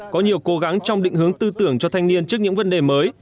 có nhiều cố gắng trong định hướng tư tưởng cho thanh niên trước những vấn đề mới